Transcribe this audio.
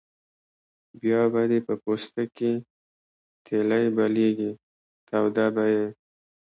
بیا به دې په پوستکي تیلی بلېږي توده به یې.